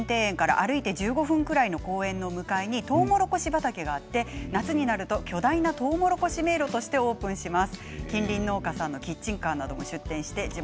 牧野記念庭園から歩いて１５分ぐらいの公園の向かいにとうもろこし畑があって夏になると巨大なとうもろこし迷路としてオープンします。